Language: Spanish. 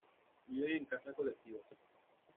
Viven en casas colectivas.